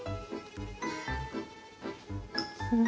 うん。